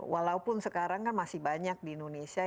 walaupun sekarang kan masih banyak di indonesia